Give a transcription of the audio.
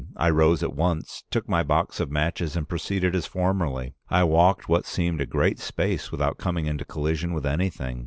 I rose at once, took my box of matches and proceeded as formerly. I walked what seemed a great space without coming into collision with anything.